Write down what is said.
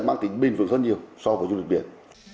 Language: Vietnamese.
bạn tỉnh bình vượt rất nhiều so với du lịch việt